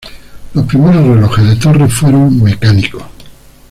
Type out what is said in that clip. Los primeros relojes de torre fueron mecánicos.